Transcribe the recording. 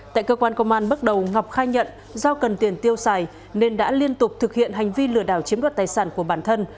tại cơ quan công an bước đầu ngọc khai nhận do cần tiền tiêu xài nên đã liên tục thực hiện hành vi lừa đảo chiếm đoạt tài sản của bản thân